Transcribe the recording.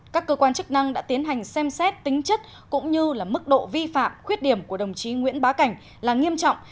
các cơ quan chức năng đã tiến hành xem xét tính chất cũng như là mức độ vi phạm khuyết điểm của đồng chí nguyễn bá cảnh là nghiêm trọng